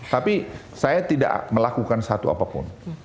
tapi saya tidak melakukan satu apapun